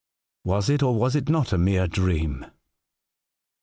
Was it, or was it not, a mere dream